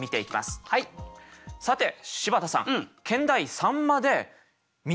さて柴田さん